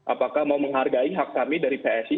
apakah mau menghargai hak kami dari psi